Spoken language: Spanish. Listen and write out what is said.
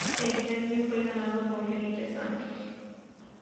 El premio fue ganado por Filipe Santos.